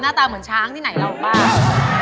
ตาเหมือนช้างที่ไหนเราบ้าง